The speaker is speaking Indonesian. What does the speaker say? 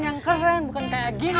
yang keren bukan kayak gini